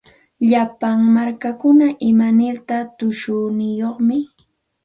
Llapa markakuna imaniraq tushuyniyuqmi.